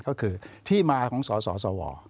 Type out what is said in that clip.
ก็คือที่มาของสสว